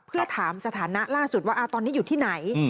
เพื่อถามสถานะล่าสุดว่าตอนนี้อยู่ที่ไหน